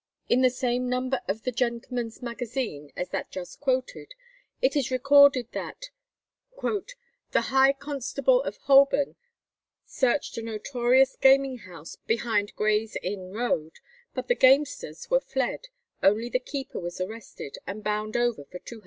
In the same number of the Gentleman's Magazine as that just quoted it is recorded, that "the High Constable of Holborn searched a notorious gaming house behind Gray's Inn Road; but the gamesters were fled, only the keeper was arrested and bound over for £200."